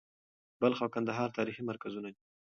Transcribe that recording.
بلخ او کندهار تاریخي مرکزونه دي.